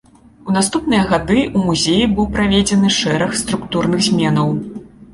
У наступныя гады ў музеі быў праведзены шэраг структурных зменаў.